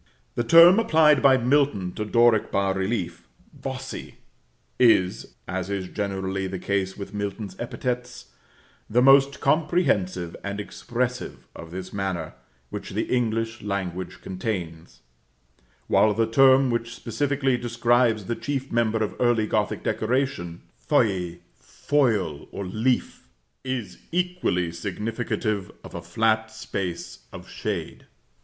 The term applied by Milton to Doric bas relief "bossy," is, as is generally the case with Milton's epithets, the most comprehensive and expressive of this manner, which the English language contains; while the term which specifically describes the chief member of early Gothic decoration, feuille, foil or leaf, is equally significative of a flat space of shade.